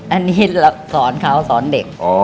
อันนี้สอนเขาสอนเด็ก